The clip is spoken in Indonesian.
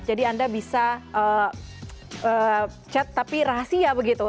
jadi anda bisa chat tapi rahasia begitu